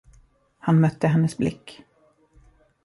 Han mötte hennes blick.